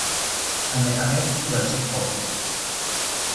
Thame awetzikiro chekopi